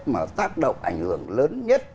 mà tác động ảnh hưởng lớn nhất